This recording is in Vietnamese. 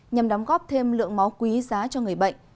nhằm đóng góp thêm lượng máu quý giá cho người bệnh